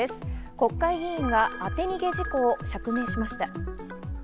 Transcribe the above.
国会議員が当て逃げ事故を釈明しました。